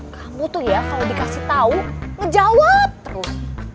kamu tuh ya kalo dikasih tau ngejawab terus